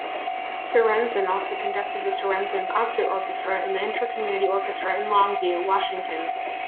Sorenson also conducted the Sorenson Concert Orchestra and the Inter-Community Orchestra in Longview, Washington.